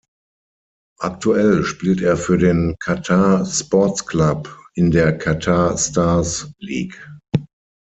Aktuell spielt er für den Qatar Sports Club in der Qatar Stars League.